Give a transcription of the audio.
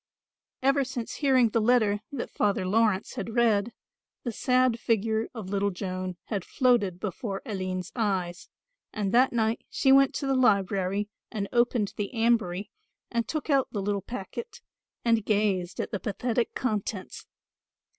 Ever since hearing the letter that Father Laurence had read, the sad figure of little Joan had floated before Aline's eyes, and that night she went to the library and opened the ambry and took out the little packet and gazed at the pathetic contents.